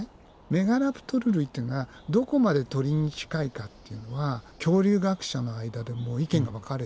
メガラプトル類っていうのはどこまで鳥に近いかっていうのは恐竜学者の間でも意見が分かれてて。